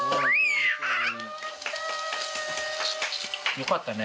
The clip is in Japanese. よかったね。